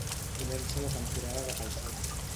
Comença la temporada de calçots